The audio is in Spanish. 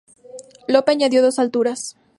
Lope añadió dos alturas.